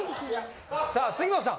さあ杉本さん